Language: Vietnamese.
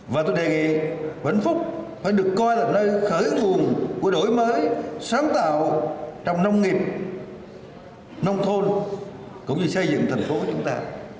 và tôi đề nghị vĩnh phúc phải được coi là nơi khởi nguồn của đổi mới sáng tạo trong nông nghiệp nông thôn cũng như xây dựng thành phố của chúng ta